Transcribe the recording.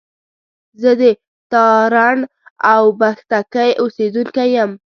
زه د تارڼ اوبښتکۍ اوسېدونکی يم